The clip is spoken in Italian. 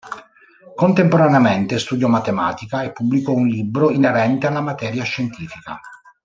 Contemporaneamente studiò matematica e pubblicò un libro inerente alla materia scientifica.